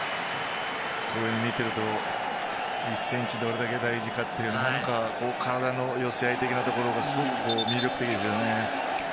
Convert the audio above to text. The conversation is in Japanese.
これ見てると１ｃｍどれだけ大事かっていう体の寄せ合い的なところがすごく魅力的ですね。